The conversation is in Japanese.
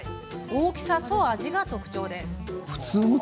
大きさと味が特徴です。